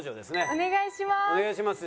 お願いします。